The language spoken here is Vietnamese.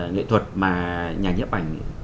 nghệ thuật mà nhà nhấp ảnh